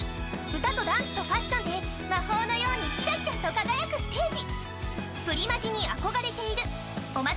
歌とダンスとファッションで魔法のようにキラキラと輝くステージ。